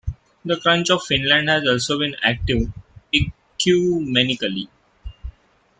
The Church of Finland has also been active ecumenically.